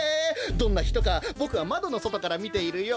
どんなひとかボクはまどのそとからみているよ。